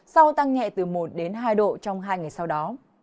sau tăng nhẹ từ một đến hai độ trong hai ngày sau đó